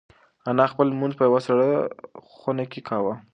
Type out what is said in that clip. انا خپل لمونځ په یوه سړه خونه کې کاوه.